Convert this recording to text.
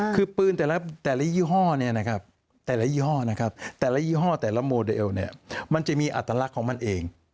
คือพื้นแต่ละยี่ห้อแต่ละยี่ห้อแต่ละโมเดลมันจะมีอัตลักษณ์ของมันเอง